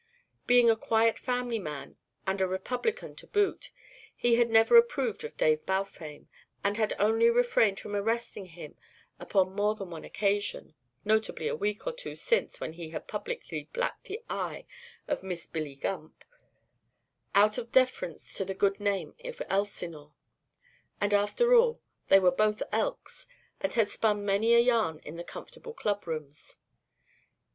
Being a quiet family man and a Republican to boot, he had never approved of Dave Balfame, and had only refrained from arresting him upon more than one occasion notably a week or two since when he had publicly blacked the eye of Miss Billy Gump out of deference to the good name of Elsinore; and after all, they were both Elks and had spun many a yarn in the comfortable clubrooms.